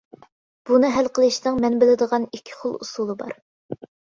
بۇنى ھەل قىلىشنىڭ مەن بىلىدىغان ئىككى خىل ئۇسۇلى بار.